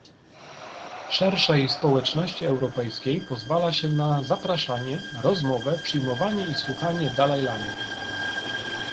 Szerszej społeczności europejskiej pozwala się na zapraszanie, rozmowę, przyjmowanie i słuchanie Dalajlamy